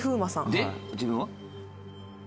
で自分は？